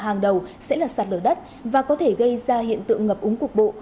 hàng đầu sẽ là sạt lở đất và có thể gây ra hiện tượng ngập úng cục bộ